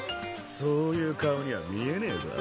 そういう顔には見えねぇぞ。